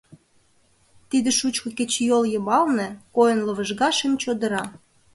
Тиде шучко кечыйол йымалне Койын лывыжга шем чодыра.